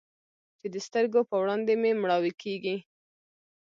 چې د سترګو په وړاندې مې مړواې کيږي.